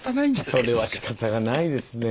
それはしかたがないですね。